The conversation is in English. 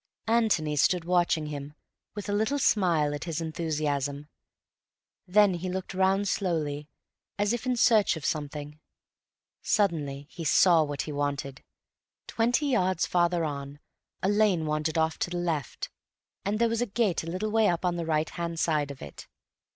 Antony stood watching him with a little smile at his enthusiasm. Then he looked round slowly, as if in search of something. Suddenly he saw what he wanted. Twenty yards farther on a lane wandered off to the left, and there was a gate a little way up on the right hand side of it.